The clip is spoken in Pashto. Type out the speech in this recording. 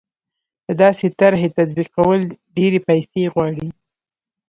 د داسې طرحې تطبیقول ډېرې پیسې غواړي.